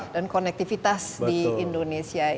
dan konektivitas di indonesia